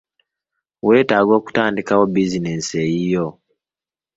Weetaaga okutandikawo bizinensi eyiyo.